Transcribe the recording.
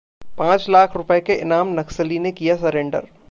पांच लाख रुपये के इनाम नक्सली ने किया सरेंडर